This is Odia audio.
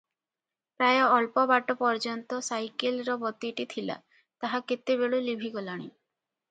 ପ୍ରାୟ ଅଳ୍ପ ବାଟ ପର୍ଯ୍ୟନ୍ତ ସାଇକେଲର ବତୀଟି ଥିଲା, ତାହା କେତେବେଳୁ ଲିଭିଗଲାଣି ।